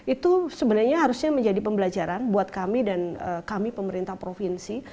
itu sebenarnya harusnya menjadi pembelajaran buat kami dan kami pemerintah provinsi